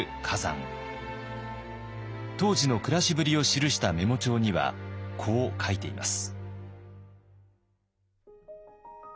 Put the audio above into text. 当時の暮らしぶりを記したメモ帳にはこう書いています。